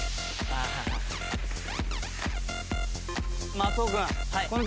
松尾君。